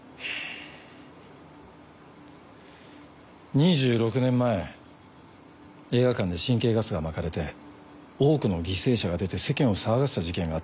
２６年前映画館で神経ガスがまかれて多くの犠牲者が出て世間を騒がせた事件があったんだけど。